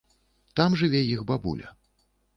Там жыве іх бабуля.